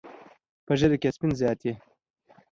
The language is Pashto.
په ږیره کې یې سپین زیات دي.